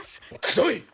くどい！